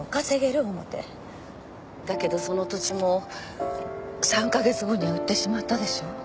だけどその土地も３カ月後には売ってしまったでしょ？